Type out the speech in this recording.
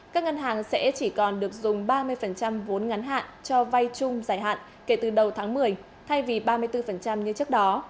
các ngân hàng sẽ chỉ còn được dùng ba mươi vốn ngắn hạn cho vay chung giải hạn kể từ đầu tháng một mươi thay vì ba mươi bốn như trước đó